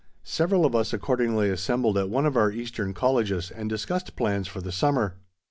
Several of us accordingly assembled at one of our eastern colleges and discussed plans for the summer.